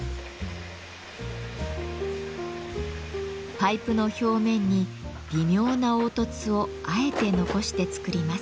パイプの表面に微妙な凹凸をあえて残して作ります。